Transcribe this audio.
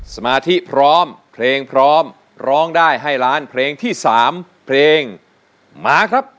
สมาธิพร้อมเพลงพร้อมร้องได้ให้ล้านเพลงที่๓เพลงมาครับ